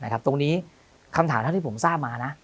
ตรงนี้คำถามที่ผมทราบมานะ